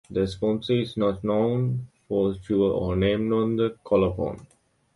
The sponsor is not known for sure or named on the colophon.